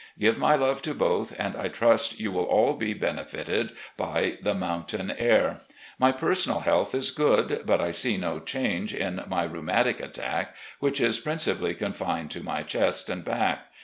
Give my love to both, and I trust you will all be benefited by the mountain air. My personal health is good, but I see no change in my rheumatic attack, which is principally confined to my chest and back.